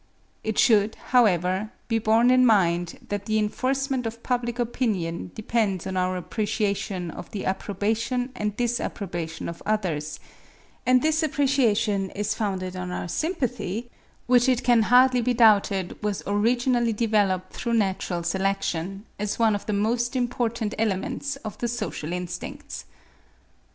It should, however, be borne in mind, that the enforcement of public opinion depends on our appreciation of the approbation and disapprobation of others; and this appreciation is founded on our sympathy, which it can hardly be doubted was originally developed through natural selection as one of the most important elements of the social instincts.